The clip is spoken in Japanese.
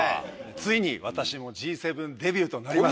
ついに私もＧ７デビューとなります。